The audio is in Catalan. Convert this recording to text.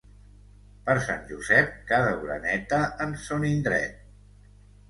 Per Sant Josep cada oreneta en son indret.